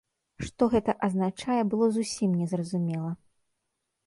Што гэта азначае, было зусім незразумела.